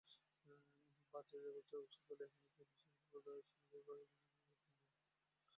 ভারতে অবস্থানকালে তিনি সেখানকার স্তন্যপায়ী ও পাখি সম্পর্কে গুরুত্বপূর্ণ অবদান রাখেন।